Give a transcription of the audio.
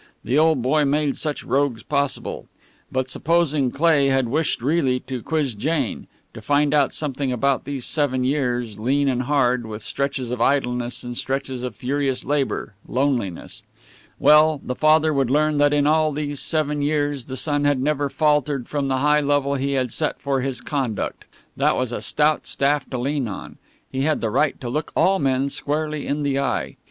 The old boy made such rogues possible. But supposing Cleigh had wished really to quiz Jane? To find out something about these seven years, lean and hard, with stretches of idleness and stretches of furious labour, loneliness? Well, the father would learn that in all these seven years the son had never faltered from the high level he had set for his conduct. That was a stout staff to lean on he had the right to look all men squarely in the eye.